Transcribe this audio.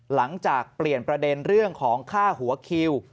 หลังจากเปลี่ยนประเด็นเรื่องของค่าหัวคิว